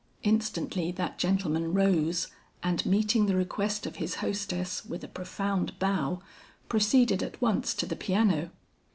Instantly that gentleman rose, and meeting the request of his hostess with a profound bow, proceeded at once to the piano.